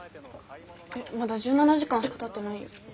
えっまだ１７時間しかたってないよ。